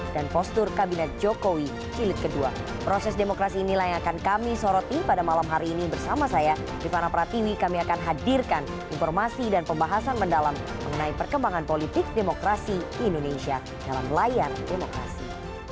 di mana pratiwi kami akan hadirkan informasi dan pembahasan mendalam mengenai perkembangan politik demokrasi di indonesia dalam layar demokrasi